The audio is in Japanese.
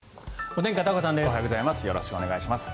おはようございます。